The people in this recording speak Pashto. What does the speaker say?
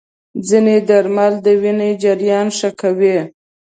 ځینې درمل د وینې جریان ښه کوي.